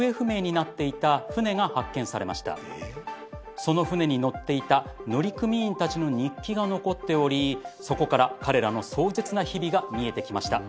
その船に乗っていた乗組員たちの日記が残っておりそこから彼らの壮絶な日々が見えてきました。